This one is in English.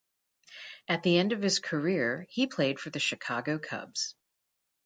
At the end of his career, he played for the Chicago Cubs.